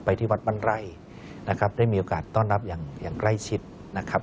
ที่วัดบ้านไร่นะครับได้มีโอกาสต้อนรับอย่างใกล้ชิดนะครับ